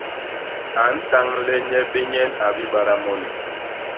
A ntañ le nye bé nyen a bibada moni.